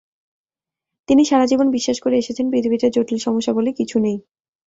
তিনি সারা জীবন বিশ্বাস করে এসেছেন, পৃথিবীতে জটিল সমস্যা বলে কিছু নেই।